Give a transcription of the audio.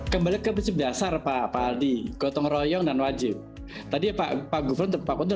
kembali ke prinsip dasar pak aldi gotong royong dan wajib tadi pak gufron